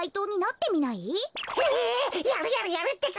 やるやるやるってか！